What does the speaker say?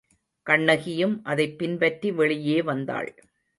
கண்ணகியும் அதைப் பின்பற்றி வெளியே வந்தாள்.